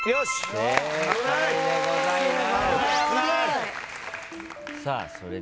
正解でございます。